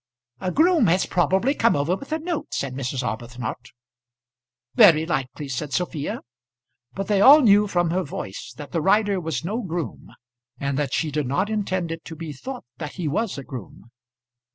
"A groom has probably come over with a note," said Mrs. Arbuthnot. "Very likely," said Sophia. But they all knew from her voice that the rider was no groom, and that she did not intend it to be thought that he was a groom.